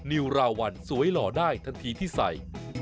นิวราวัลสวยหล่อได้ทันทีที่ใส่